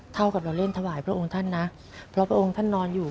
เท่ากับเราเล่นถวายพระองค์ท่านนะเพราะพระองค์ท่านนอนอยู่